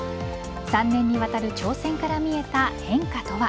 ３年にわたる挑戦から見えた変化とは。